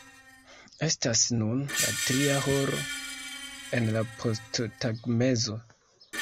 Estas nun la tria horo en la posttagmezo.